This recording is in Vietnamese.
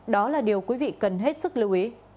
đó là điều quý vị cần hết sức lưu ý